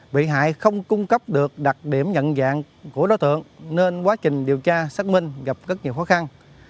bị hại không cung cấp được đặc điểm nhận dạng của đối tượng nên quá trình điều tra xác minh gặp rất nhiều khó khăn